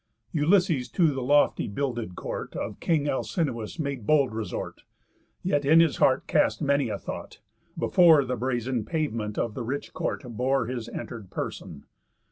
Ulysses to the lofty builded court Of king Alcinous made bold resort; Yet in his heart cast many a thought, before The brazen pavement of the rich court bore His enter'd person.